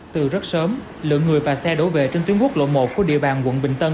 từ rất sớm lượng người và xe đổ về trên tuyến quốc lộ một của địa bàn quận bình tân